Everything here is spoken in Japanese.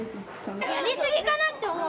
やりすぎかなって思うよ。